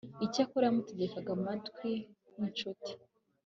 icyakora, yamutegaga amatwi nk'incuti